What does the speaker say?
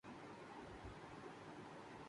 تلوار ہے تیزی میں صہبائے مسلمانی